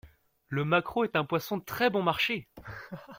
Le maquereau est un poisson très bon marché.